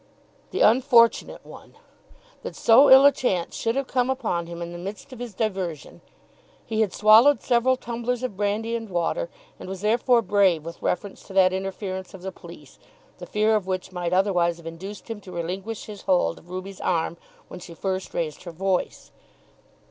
The unfortunate one! That so ill a chance should have come upon him in the midst of his diversion! He had swallowed several tumblers of brandy and water, and was therefore brave with reference to that interference of the police, the fear of which might otherwise have induced him to relinquish his hold of Ruby's arm when she first raised her voice.